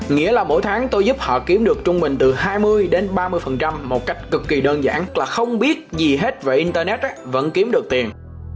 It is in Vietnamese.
nghĩa là mỗi tháng tôi giúp họ kiếm được trung bình từ hai mươi đến ba mươi một cách cực kỳ đơn giản là không biết gì hết về internet vẫn kiếm được tiền